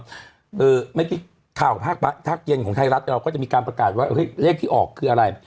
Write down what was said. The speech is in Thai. เมื่อกี้ข่าวภาคเย็นของไทยรัฐเราก็จะมีการประกาศว่าเฮ้ยเลขที่ออกคืออะไร